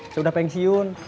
saya udah pensiun